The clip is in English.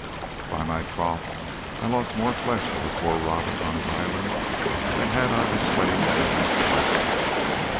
"By my troth, I lost more flesh over poor Robin on his island, than had I the sweating sickness twice told.